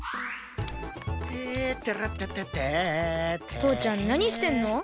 とうちゃんなにしてんの！？